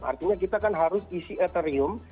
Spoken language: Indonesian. artinya kita kan harus isi etherium